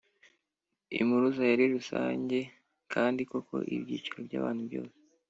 impuruza yari rusange kandi koko ibyiciro by’abantu byose